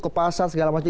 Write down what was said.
ke pasar segala macam